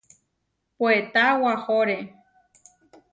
Puetá wahóre.